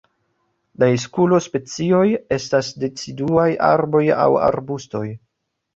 La Eskulo-specioj estas deciduaj arboj aŭ arbustoj.